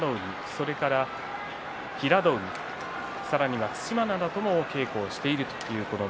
それから平戸海さらには對馬洋との稽古をしているということです。